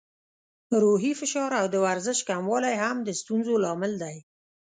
روحي فشار او د ورزش کموالی هم د ستونزو لامل دی.